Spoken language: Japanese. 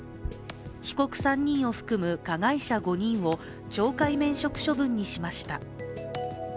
被告３人を含む加害者５人を懲戒免職処分にしました。